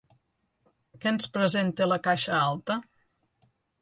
Què ens presenta la caixa alta?